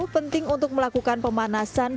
penting untuk melakukan pemanasan